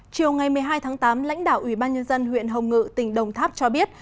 chiều ngày một mươi hai tháng tám lãnh đạo ủy ban nhân dân huyện hồng ngự tỉnh đồng tháp cho biết